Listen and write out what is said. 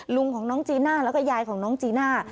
ลุงของน้องจีน่าแล้วก็ยายของน้องจีน่า